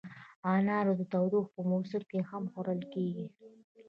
انار د تودوخې په موسم کې هم خوړل کېږي.